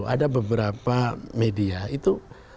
ada beberapa media itu